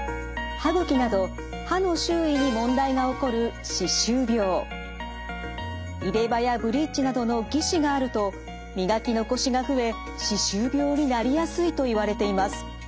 歯ぐきなど歯の周囲に問題が起こるなどの義歯があると磨き残しが増え歯周病になりやすいといわれています。